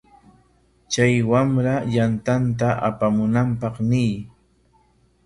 Chay wamra yantata apamunanpaq ñiy.